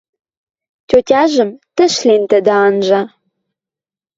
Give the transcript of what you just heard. Тьотяжым, тӹшлен, тӹдӹ анжа